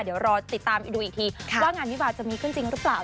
เดี๋ยวรอติดตามดูอีกทีว่างานวิวาจะมีขึ้นจริงหรือเปล่า